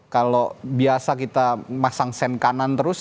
kalau biasa kita masang sen kanan terus